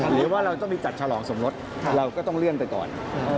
หรือว่าเราต้องไปจัดฉลองสมรสเราก็ต้องเลื่อนไปก่อน